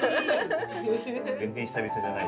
全然久々じゃない。